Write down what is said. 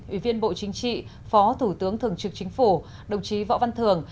ủy viên bộ chính trị phó thủ tướng thường trực chính phủ đồng chí võ văn thường